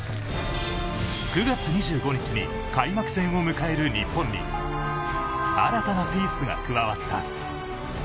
９月２５日に開幕戦を迎える日本に新たなピースが加わった。